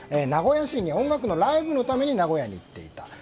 名古屋市に音楽のライブのために行っていた。